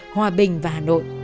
hòa bình và hà nội